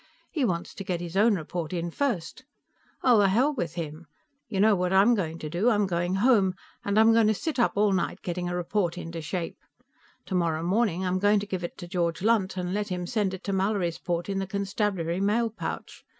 He wants to get his own report in first. Well, the hell with him! You know what I'm going to do? I'm going home, and I'm going to sit up all night getting a report into shape. Tomorrow morning I'm going to give it to George Lunt and let him send it to Mallorysport in the constabulary mail pouch.